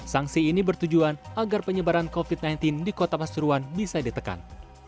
sanksi ini bertujuan agar penyebaran covid sembilan belas di kota pasuruan bisa ditekan